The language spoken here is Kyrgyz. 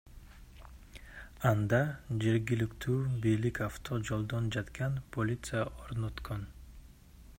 Анда жергиликтүү бийлик авто жолдо жаткан полиция орноткон.